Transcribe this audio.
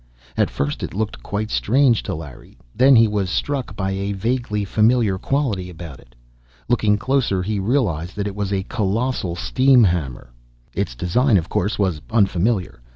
At first it looked quite strange to Larry; then he was struck by a vaguely familiar quality about it. Looking closer, he realized that it was a colossal steam hammer! Its design, of course, was unfamiliar.